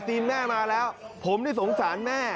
แม่มาแล้วผมนี่สงสารแม่